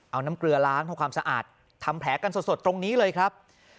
เอาน้ำเกลือล้างเพื่อความสะอาดทำแผลกันสดตรงนี้เลยครับ